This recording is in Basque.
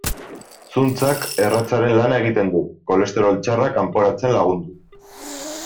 Zuntzak erratzaren lana egiten du, kolesterol txarra kanporatzen lagunduz.